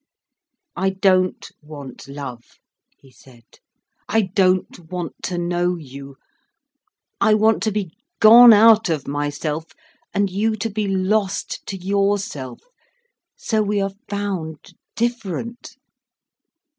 "I don't want love," he said. "I don't want to know you. I want to be gone out of myself, and you to be lost to yourself, so we are found different.